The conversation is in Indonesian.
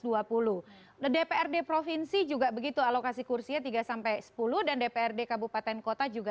dprd provinsi juga begitu alokasi kursinya tiga sampai sepuluh dan dprd kabupaten kota juga